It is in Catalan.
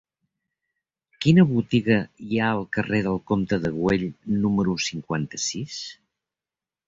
Quina botiga hi ha al carrer del Comte de Güell número cinquanta-sis?